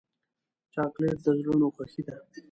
چاکلېټ د زړونو خوښي ده.